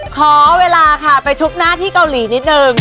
ขอเวลาค่ะไปทุบหน้าที่เกาหลีนิดนึง